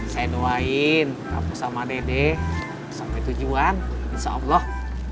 saya doain kamu sama dede sampai tujuan insya allah